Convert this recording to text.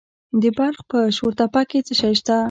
د بلخ په شورتپه کې څه شی شته؟